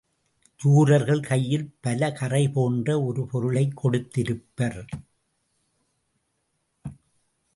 ஜூரர்கள் கையில் பலகறை போன்ற ஒரு பொருளைக் கொடுத்திருப்பர்.